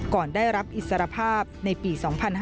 ก่อนได้รับอิสรภาพในปี๒๕๕๙